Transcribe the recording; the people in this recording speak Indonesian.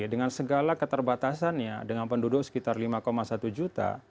karena keterbatasannya dengan penduduk sekitar lima satu juta